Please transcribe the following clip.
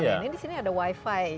ini di sini ada wifi